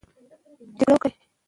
جګړه د تباهۍ لاره ده.